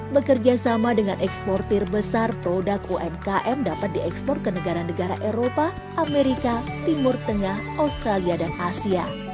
bekerja sama dengan eksportir besar produk umkm dapat diekspor ke negara negara eropa amerika timur tengah australia dan asia